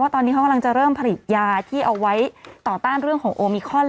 ตอนนี้เขากำลังจะเริ่มผลิตยาที่เอาไว้ต่อต้านเรื่องของโอมิคอน